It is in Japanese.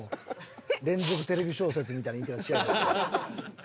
連続テレビ小説みたいな言い方しやがって。